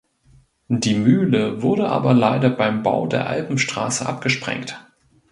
Die Mühle wurde aber leider beim Bau der Alpenstraße abgesprengt.